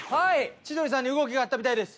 千鳥さんに動きがあったみたいです。